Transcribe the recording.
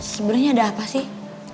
sebenarnya ada apa sih